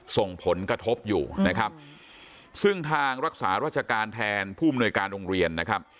ส่งผลกระทบอยู่นะครับซึ่งทางรักษาราชการแทนผู้มนวยการโรงเรียนนะครับ